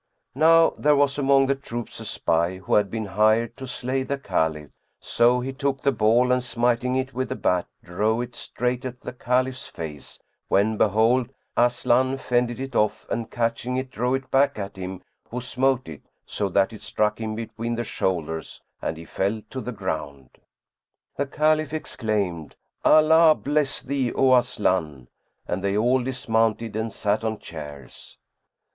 Now there was among the troops a spy, who had been hired to slay the Caliph; so he took the ball and smiting it with the bat drove it straight at the Caliph's face, when behold, Aslan fended it off and catching it drove it back at him who smote it, so that it struck him between the shoulders and he fell to the ground. The Caliph exclaimed, "Allah bless thee, O Aslan!" and they all dismounted and sat on chairs.